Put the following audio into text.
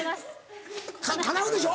かなうでしょ。